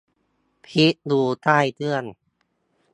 พลิกดูใต้เครื่อง